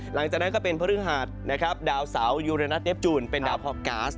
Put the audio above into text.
หลังจากนั้นก็เป็นพระฤหาธิ์ดาวเสายูเรนัทเด็บจูนเป็นดาวเคราะห์ก๊าส